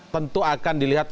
tentu akan dilihat